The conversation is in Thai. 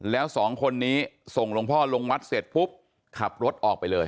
แล้วสองคนนี้ส่งหลวงพ่อลงวัดเสร็จปุ๊บขับรถออกไปเลย